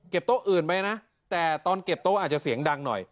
โต๊ะอื่นไปนะแต่ตอนเก็บโต๊ะอาจจะเสียงดังหน่อย